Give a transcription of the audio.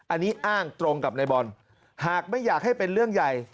อันนี้อ้างตรงกับนายบอลหากไม่อยากให้เป็นเรื่องใหญ่